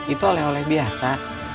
itu oleh oleh biasa